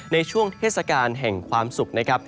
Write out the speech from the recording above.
ในช่วงเทศกาลแห่งความสุขนะครับ